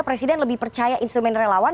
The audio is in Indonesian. presiden lebih percaya instrumen relawan